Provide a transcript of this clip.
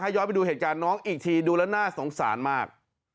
ย้อนไปดูเหตุการณ์น้องอีกทีดูแล้วน่าสงสารมาก